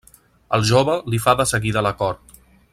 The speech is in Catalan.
El jove li fa de seguida la cort.